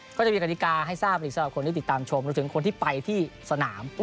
ก็จะมีกัณฑิกาให้ทราบอยู่ตามชมก็ถึงคนที่ไปที่สนาม